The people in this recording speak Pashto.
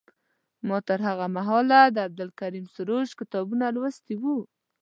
ما تر هغه مهاله د عبدالکریم سروش کتابونه لوستي وو.